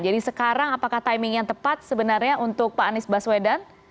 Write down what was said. jadi sekarang apakah timing yang tepat sebenarnya untuk pak anies baswedan